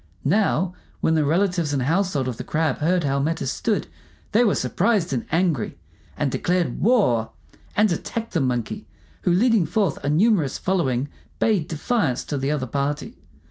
Now, when the relatives and household of the Crab heard how matters stood, they were surprised and angry, and declared war, and attacked the Monkey, who, leading forth a numerous following, bade defiance to the other party.